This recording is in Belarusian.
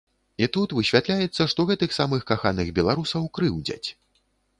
І тут высвятляецца, што гэтых самых каханых беларусаў крыўдзяць.